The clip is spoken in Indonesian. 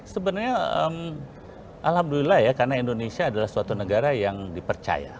sebenarnya alhamdulillah ya karena indonesia adalah suatu negara yang dipercaya